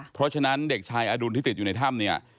เพราะฉะนั้นเด็กชายอดุลที่ติดอยู่ในถ้ำเนี่ย